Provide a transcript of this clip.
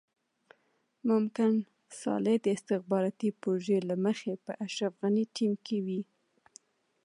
ممکن صالح د استخباراتي پروژې له مخې په اشرف غني ټيم کې وي.